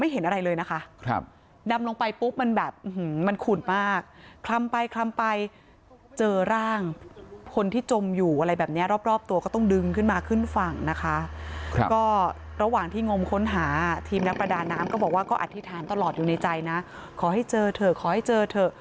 เห็นอย่างงี้ยี่สิบเมตรเหรอไม่น่าเชื่อนอ่ะ